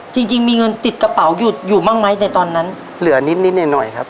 จริงจริงมีเงินติดกระเป๋าหยุดอยู่บ้างไหมในตอนนั้นเหลือนิดนิดหน่อยหน่อยครับ